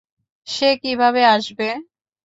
সে কীভাবে আসবে?